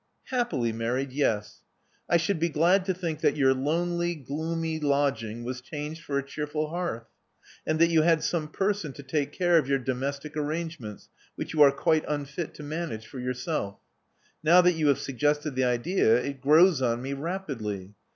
"Happily married, yes. I should be glad to think that your lonely, gloomy lodging was changed for a cheerful hearth ; and that you had some person to take care of your domestic arrangements, which you are quite unfit to manage for yourself. Now that you have suggested the idea, it grows on me rapidly.